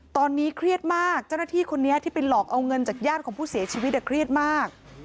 ตอนนี้เครียดมากเจ้าหน้าที่คนนี้ที่ไปหลอกเอาเงินจากญาติของผู้เสียชีวิตเครียดมาก